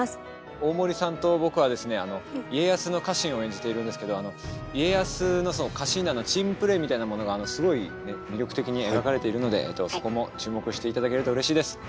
大森さんと僕はですね家康の家臣を演じているんですけど家康の家臣団のチームプレーみたいなものがすごい魅力的に描かれているのでそこも注目して頂けるとうれしいです。